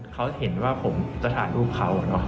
เขาเห็นว่าผมจะถ่ายรูปเขา